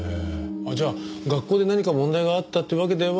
じゃあ学校で何か問題があったっていうわけでは？